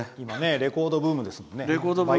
レコードブームですからね。